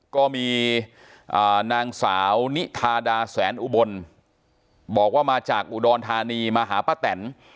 ก็มีนางสาวนิทาดาแสนอุบลบอกว่ามาจากอุดรธานีมาหาป้าแตน